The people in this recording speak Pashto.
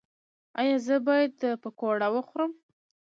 ایا زه باید پکوړه وخورم؟